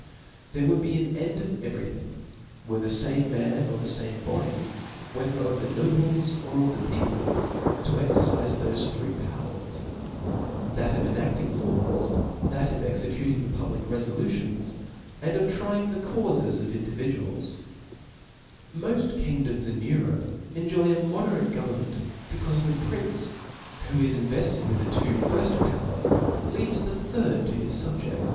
There wouM be an end of every thing, were the fame man, or the fame body^ whether of the nobles or of the people, to exercife thofe three powers, that of enafting laws, that of executing the public refolutions, and of trying the caufes of individuals^ Moft O F L A W 9. 223 Moft kingdoms in Europe enjoy a mod^i ate book government, becaufe the prince who is inveftcd q^' ^ with the two firft powers, leaves the durd to bis febj^j.